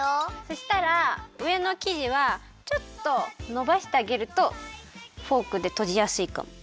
そしたらうえのきじはちょっとのばしてあげるとフォークでとじやすいかも。